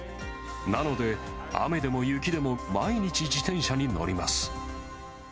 なので、雨でも雪でも、毎日、自転車に乗ります。